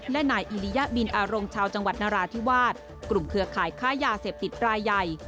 และนายอิริยบินอารมณ์ชาวจังหวัดนราธิวาสกลุ่มเครือข่ายค้ายาเสพติดรายใหญ่